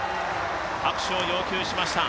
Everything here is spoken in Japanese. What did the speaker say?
拍手を要求しました。